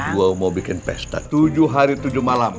gue mau bikin pesta tujuh hari tujuh malam